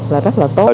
là rất là tốt